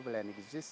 yang ada dan berwujud